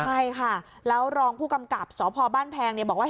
ใช่ค่ะแล้วรองผู้กำกับสพบ้านแพงบอกว่า